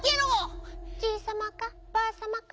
「じいさまかばあさまか」。